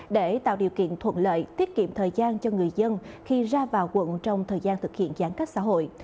để tạo điều kiện thuận lợi tiết kiệm thời gian cho người dân khi ra vào quận trong thời gian thực hiện giãn cách xã hội